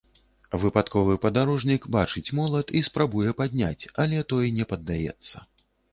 Выпадковы падарожнік бачыць молат і спрабуе падняць, але той не паддаецца.